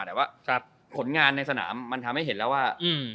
แต่ว่าผลงานในสนามมันทำให้เห็นแล้วว่า